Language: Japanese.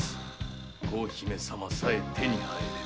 幸姫様さえ手に入れば。